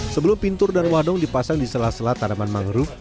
sebelum pintur dan wadong dipasang di sela sela tanaman mangrove